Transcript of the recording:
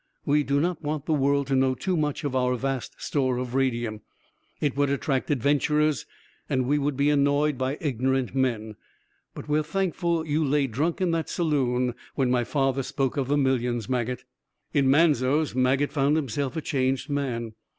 "We do not want the world to know too much of our vast store of radium. It would attract adventurers and we would be annoyed by ignorant men. But we're thankful you lay drunk in that saloon when my father spoke of the millions, Maget." In Manzos, Maget found himself a changed man.